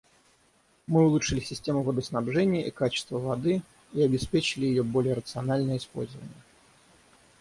Мы улучшили систему водоснабжения и качество воды и обеспечили ее более рациональное использование.